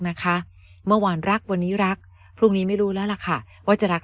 นะคะเมื่อวานรักวันนี้รักพรุ่งนี้ไม่รู้แล้วล่ะค่ะว่าจะรัก